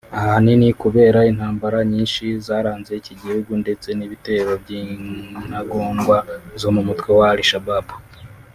ahanini kubera intambara nyinshi zaranze iki gihugu ndetse n’ibitero by’intagondwa zo mu mutwe wa Al Shabab